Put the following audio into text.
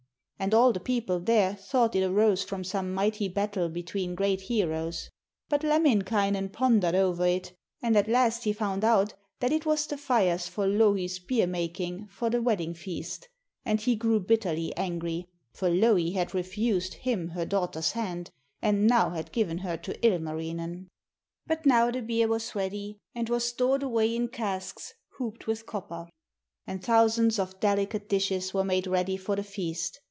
And all the people there thought it arose from some mighty battle between great heroes. But Lemminkainen pondered over it, and at last he found out that it was the fires for Louhi's beer making for the wedding feast, and he grew bitterly angry, for Louhi had refused him her daughter's hand, and now had given her to Ilmarinen. But now the beer was ready and was stored away in casks hooped with copper, and thousands of delicate dishes were made ready for the feast.